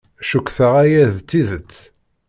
Cukkteɣ aya d tidet.